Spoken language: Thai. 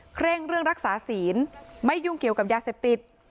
เร่งเรื่องรักษาศีลไม่ยุ่งเกี่ยวกับยาเสพติด